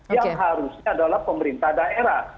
yang harusnya adalah pemerintah daerah